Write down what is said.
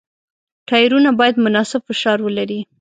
ټایرونه باید مناسب فشار ولري.